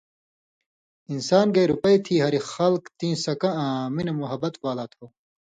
انسان گے رُپئ تھی ہاریۡ خلکہ تیں سکہ آں مِنہۡ محبت والا تھو